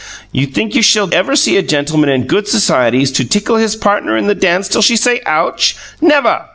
You think you shall ever see a gentleman in good societies to tickle his partner in the dance till she say Ouch? Never!